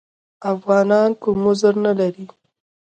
افغانان کوم عذر نه لري.